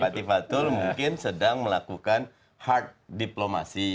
tivatul mungkin sedang melakukan hard diplomasi